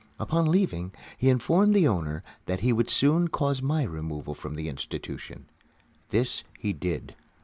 Upon leaving, he informed the owner that he would soon cause my removal from the institution. This he did.